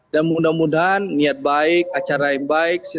dan mudah mudahan niat baik acara yang baik